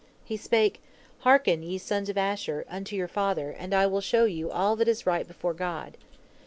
He spake: "Hearken, ye sons of Asher, unto your father, and I will show you all that is right before God.